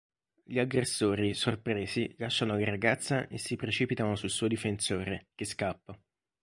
Gli aggressori, sorpresi, lasciano la ragazza e si precipitano sul suo difensore, che scappa.